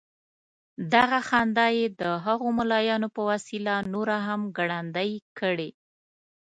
دغه خندا یې د هغو ملايانو په وسيله نوره هم ګړندۍ کړې.